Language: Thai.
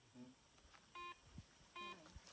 ไม่เอาแต่แบบนี้